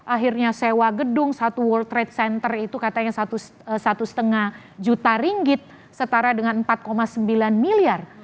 akhirnya sewa gedung satu world trade center itu katanya satu lima juta ringgit setara dengan empat sembilan miliar